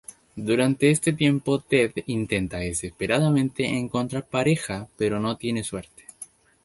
Durante este tiempo Ted intenta desesperadamente encontrar pareja pero no tiene suerte.